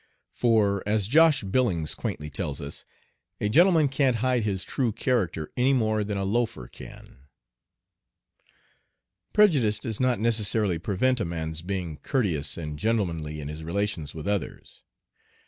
For, as Josh Billings quaintly tells us, "a gentleman kant hide hiz true karakter enny more than a loafer kan." Prejudice does not necessarily prevent a man's being courteous and gentlemanly in his relations with others.